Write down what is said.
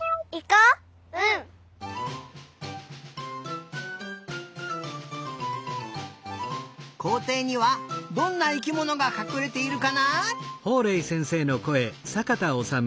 こうていにはどんな生きものがかくれているかな？